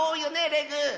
レグ。